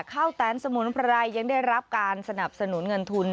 แตนสมุนไพรยังได้รับการสนับสนุนเงินทุน